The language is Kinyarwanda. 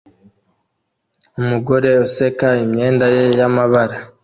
Umugore useka imyenda ye y'amabara